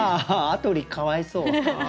アトリかわいそう。